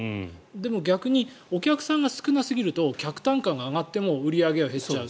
でも逆にお客さんが少なすぎると客単価が上がっても売り上げは減っちゃう。